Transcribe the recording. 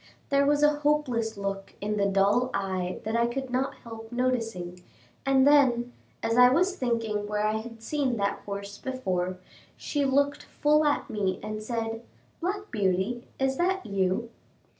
There was a hopeless look in the dull eye that I could not help noticing, and then, as I was thinking where I had seen that horse before, she looked full at me and said, "Black Beauty, is that you?"